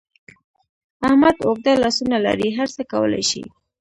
احمد اوږده لاسونه لري؛ هر څه کولای شي.